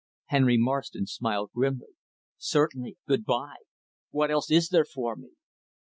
Henry Marston smiled grimly. "Certainly, good by What else is there for me?"